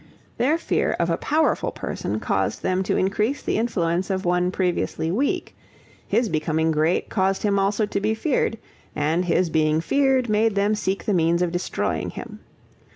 Their fear of a powerful person caused them to increase the influence of one previously weak; his becoming great caused him also to be feared, and his being feared made them seek the means of destroying him.